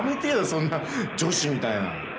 そんな女子みたいな。